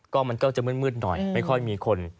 ก็มันก็จะมืดหน่อยไม่ค่อยมีคน